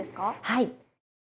はい。